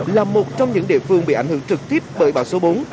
là một trong những địa phương bị ảnh hưởng trực tiếp bởi bão số bốn